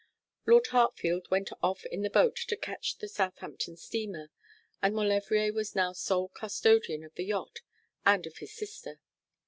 Lord Hartfield went off in the boat to catch the Southampton steamer; and Maulevrier was now sole custodian of the yacht and of his sister.